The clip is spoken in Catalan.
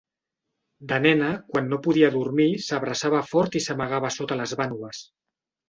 De nena, quan no podia dormir, s'abraçava fort i s'amagava sota les vànoves.